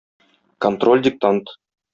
Контроль диктант.